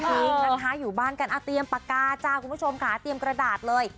จริงนะคะอยู่บ้านกันเตรียมปากกาจ้าคุณผู้ชมค่ะเตรียมกระดาษเลย